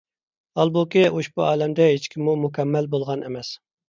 ھالبۇكى، ئۇشبۇ ئالەمدە ھېچكىممۇ مۇكەممەل بولغان ئەمەس.